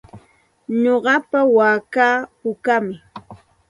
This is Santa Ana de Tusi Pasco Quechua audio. Nuqapa waakaa pukam.